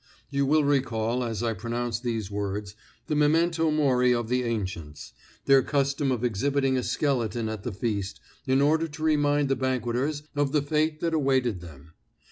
You will recall, as I pronounce these words, the memento mori of the Ancients, their custom of exhibiting a skeleton at the feast, in order to remind the banqueters of the fate that awaited them.